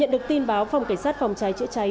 nhận được tin báo phòng cảnh sát phòng cháy chữa cháy